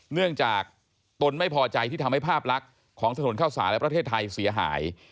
เนื่องจากตนไม่พอใจที่ทำให้ภาพลักษณ์ของถนนข้าวสารและประเทศไทยเสียหาย